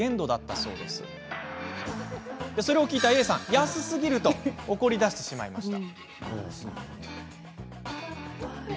それを聞いたＡさんは安すぎる！と怒りだしてしまいました。